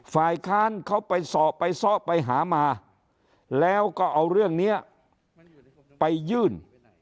ฝ่ายค้านเขาไปสอบไปซ้อไปหามาแล้วก็เอาเรื่องนี้ไปยื่น